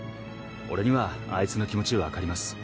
俺にはあいつの気持ちわかります。